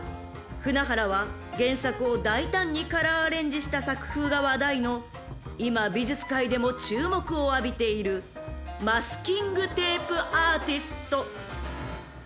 ［船原は原作を大胆にカラーアレンジした作風が話題の今美術界でも注目を浴びているマスキングテープアーティスト］